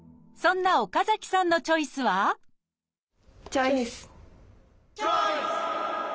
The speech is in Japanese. そんな岡崎さんのチョイスはチョイス！